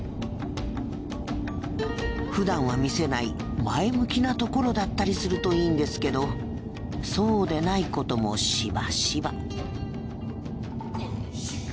ふだんは見せない前向きなところだったりするといいんですけどそうでないこともしばしば。